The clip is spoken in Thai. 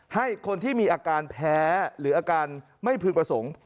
ให้คนที่มีอาการแพ้หรืออาการไม่พึงประสงค์